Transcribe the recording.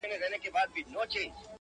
زما زړه په محبت باندي پوهېږي ـ